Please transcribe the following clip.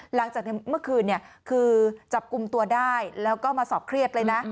หลังจากเมื่อคืนคือจับกลุ่มตัวได้แล้วก็มาสอบเครียดเลยนะ